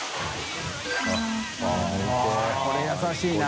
◆舛これ優しいな。